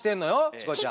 チコちゃん。